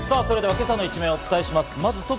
今朝の一面をお伝えします。